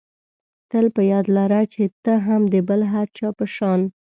تل په یاد لره چې ته هم د بل هر چا په شان.